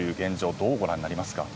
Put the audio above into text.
どうご覧になりますか？